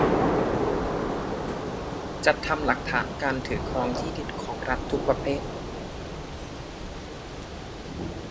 จัดทำหลักฐานการถือครองที่ดินของรัฐทุกประเภท